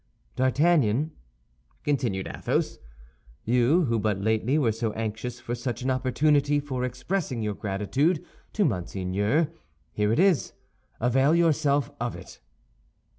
D'Artagnan," continued Athos, "you, who but lately were so anxious for such an opportunity for expressing your gratitude to Monseigneur, here it is; avail yourself of it."